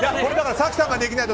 早紀さんができないと。